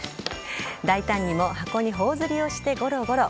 大胆にも箱にほおずりをしてゴロゴロ。